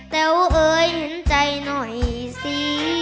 แต๋วเอ่ยเห็นใจหน่อยสิ